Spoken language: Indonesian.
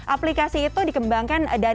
aplikasi itu dikembangkan dari luar negara ya